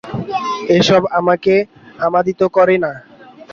এসব আমাকে আমোদিত করে না।